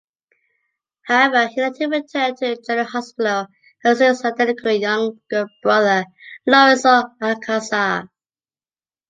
However, he later returned to "General Hospital" as Luis' identical younger brother, Lorenzo Alcazar.